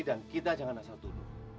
dan kita jangan asal tuduh